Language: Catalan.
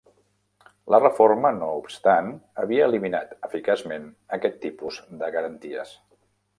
La Reforma, no obstant, havia eliminat eficaçment aquest tipus de garanties.